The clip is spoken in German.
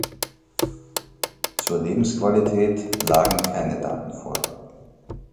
Zur Lebensqualität lagen keine Daten vor.